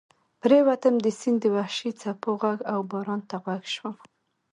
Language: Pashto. پرېوتم، د سیند د وحشي څپو غږ او باران ته غوږ شوم.